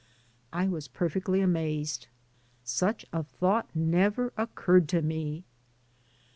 I was perfectly amazed; such a thought never occurred to me.